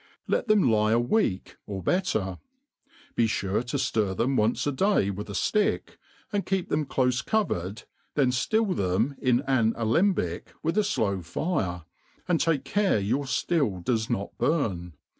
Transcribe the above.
Let them lie a week, or better ; be fure to ftir them once a day with a fiick, and keep them clofe covered, then ftill them in an alem bic with a flow fire, and take care your fiill does not burn.